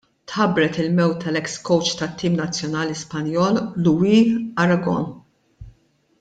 Tħabbret il-mewt tal-eks kowċ tat-tim nazzjonali Spanjol Luis Aragones.